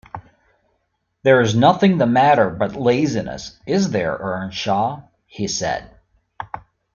‘There’s nothing the matter but laziness; is there, Earnshaw?’ he said.